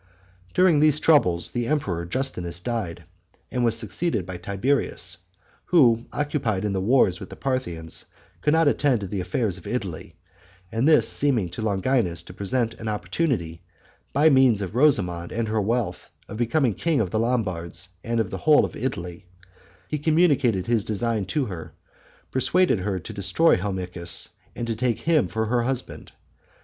During these troubles the emperor Justinus died, and was succeeded by Tiberius, who, occupied in the wars with the Parthians, could not attend to the affairs of Italy; and this seeming to Longinus to present an opportunity, by means of Rosamond and her wealth, of becoming king of the Lombards and of the whole of Italy, he communicated his design to her, persuaded her to destroy Helmichis, and so take him for her husband.